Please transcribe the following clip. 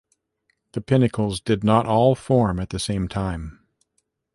The pinnacles did not all form at the same time.